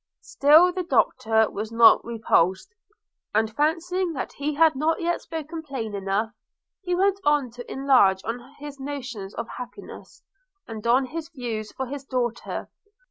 Still the Doctor was not repulsed; and fancying that he had not yet spoken plain enough, he went on to enlarge on his notions of happiness, and on his views for his daughter.